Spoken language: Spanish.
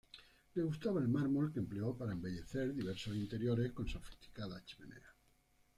Le gustaba el mármol, que empleó para embellecer diversos interiores con sofisticadas chimeneas.